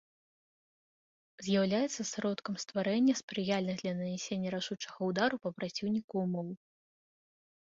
З'яўляецца сродкам стварэння спрыяльных для нанясення рашучага ўдару па праціўніку ўмоў.